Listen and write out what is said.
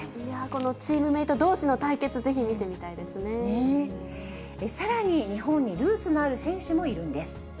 このチームメートどうしの対さらに日本にルーツのある選手もいるんです。